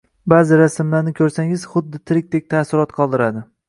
Ba'zi rasmlarni ko‘rsangiz, xuddi tirikdek taassurot qoldiradi